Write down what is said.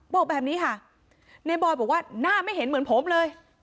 บอกแบบนี้ค่ะในบอยบอกว่าหน้าไม่เห็นเหมือนผมเลย